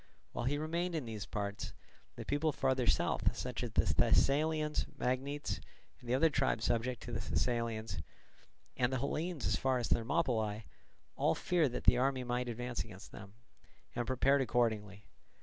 While he remained in these parts, the people farther south, such as the Thessalians, Magnetes, and the other tribes subject to the Thessalians, and the Hellenes as far as Thermopylae, all feared that the army might advance against them, and prepared accordingly.